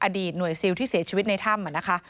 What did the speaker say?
อดีตหน่วยซิลที่เสียชีวิตในถ้ำนะคะ